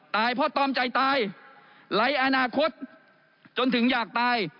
เพราะตอมใจตายไร้อนาคตจนถึงอยากตาย